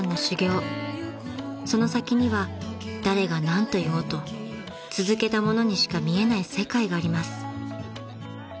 ［その先には誰が何と言おうと続けた者にしか見えない世界があります］